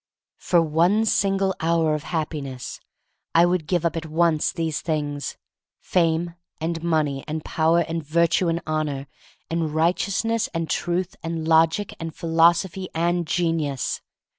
For one single hour of Happiness I would give up at once these things: Fame, and Money, and Power, and Virtue, and Honor, and Righteousness, and Truth, and Logic, and Philosophy, and Genius.